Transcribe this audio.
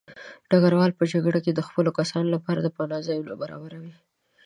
ډګروال په جګړه کې د خپلو کسانو لپاره د پناه ځایونه برابروي.